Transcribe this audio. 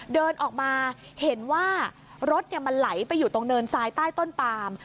เดินออกมาเห็นว่ารถมันไหลไปอยู่ตรงเนินทรายใต้ต้นปาม